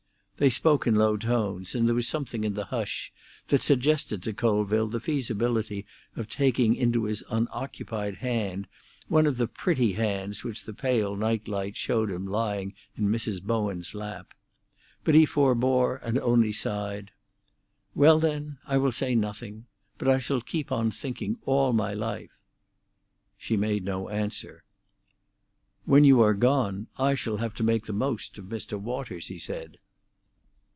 They spoke in low tones, and there was something in the hush that suggested to Colville the feasibility of taking into his unoccupied hand one of the pretty hands which the pale night light showed him lying in Mrs. Bowen's lap. But he forbore, and only sighed. "Well, then, I will say nothing. But I shall keep on thinking all my life." She made no answer. "When you are gone, I shall have to make the most of Mr. Waters," he said.